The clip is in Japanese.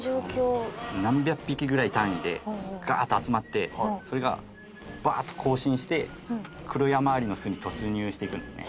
何百匹ぐらい単位でガーッと集まってそれがバーッと行進してクロヤマアリの巣に突入していくんですね。